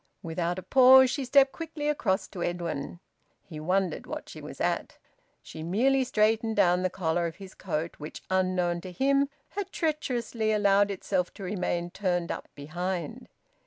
Without a pause she stepped quickly across to Edwin. He wondered what she was at. She merely straightened down the collar of his coat, which, unknown to him, had treacherously allowed itself to remain turned up behind.